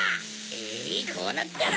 えいこうなったら！